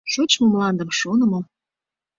ШОЧМО МЛАНДЫМ ШОНЫМО